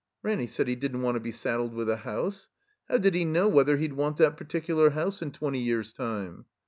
Ranny said he didn't want to be saddled with a | house. How did he know whether he'd want that particular house in twenty years' time